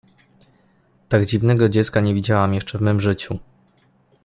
— Tak dziwnego dziecka nie widziałam jeszcze w mym życiu.